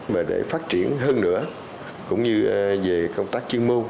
mà để phát triển hơn nữa cũng như về công tác chuyên môn